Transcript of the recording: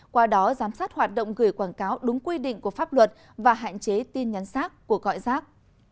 qua đó giám sát hoạt động gửi quảng cáo đúng quy định của pháp luật và hạn chế tin nhắn rác của gọi rác